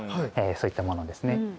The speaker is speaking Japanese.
そういったものですね。